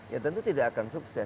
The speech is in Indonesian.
ya tentu tidak akan sukses